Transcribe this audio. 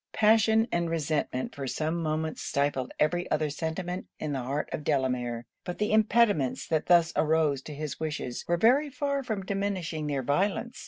Passion and resentment for some moments stifled every other sentiment in the heart of Delamere. But the impediments that thus arose to his wishes were very far from diminishing their violence.